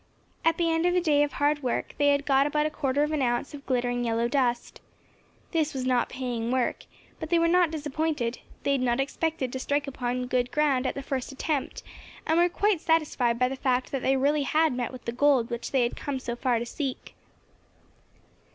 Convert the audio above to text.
At the end of a day of hard work they had got about a quarter of an ounce of glittering yellow dust. This was not paying work, but they were not disappointed; they had not expected to strike upon good ground at the first attempt, and were quite satisfied by the fact that they really had met with the gold which they had come so far to seek.